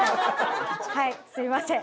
はいすみません